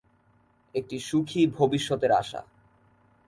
একটি সুখী ভবিষ্যতের আশা।